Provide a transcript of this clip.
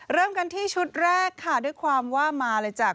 เริ่มกันที่ชุดแรกค่ะด้วยความว่ามาเลยจ้ะ